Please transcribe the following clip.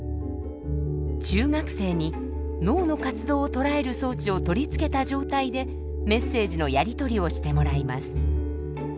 中学生に脳の活動を捉える装置を取り付けた状態でメッセージのやりとりをしてもらいます。